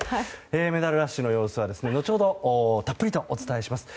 メダルラッシュのニュースは後ほどたっぷりとお伝えします。